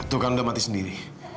tuh kan udah mati sendiri